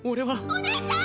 ・お姉ちゃん！